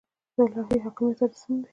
د الهي حاکمیت تجسم دی.